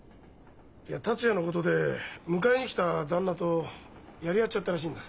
いや達也のことで迎えに来た旦那とやり合っちゃったらしいんだ。